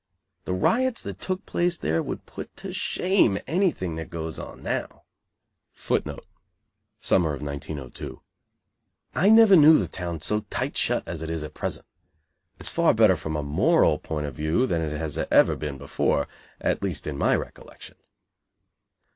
The riots that took place there would put to shame anything that goes on now.[A] I never knew the town so tight shut as it is at present. It is far better, from a moral point of view than it has ever been before; at least, in my recollection.